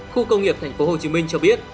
khu công nghiệp tp hồ chí minh cho biết